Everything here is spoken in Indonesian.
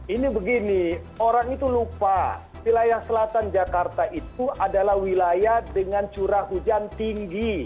ini begini orang itu lupa wilayah selatan jakarta itu adalah wilayah dengan curah hujan tinggi